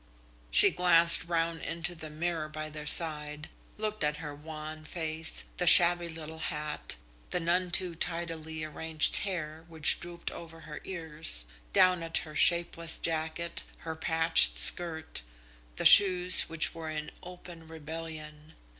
She glanced round into the mirror by their side, looked at her wan face, the shabby little hat, the none too tidily arranged hair which drooped over her ears; down at her shapeless jacket, her patched skirt, the shoes which were in open rebellion.